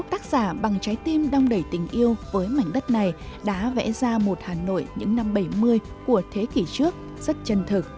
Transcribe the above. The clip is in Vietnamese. tác giả bằng trái tim đong đẩy tình yêu với mảnh đất này đã vẽ ra một hà nội những năm bảy mươi của thế kỷ trước rất chân thực